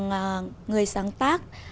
các bài sáng tác